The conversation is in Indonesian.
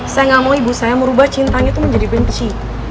saya nggak mau ibu saya merubah cintanya menjadi benci